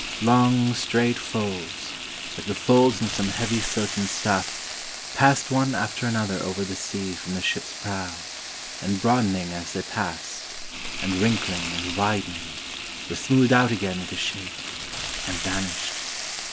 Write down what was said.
Long, straight folds, like the folds in some heavy silken stuff, passed one after another over the sea from the ship's prow, and broadening as they passed, and wrinkling and widening, were smoothed out again with a shake, and vanished.